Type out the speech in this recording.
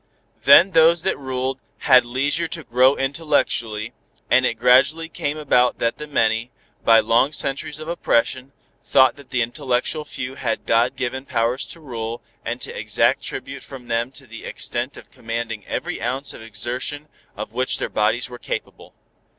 Then those that ruled had leisure to grow intellectually, and it gradually came about that the many, by long centuries of oppression, thought that the intellectual few had God given powers to rule, and to exact tribute from them to the extent of commanding every ounce of exertion of which their bodies were capable.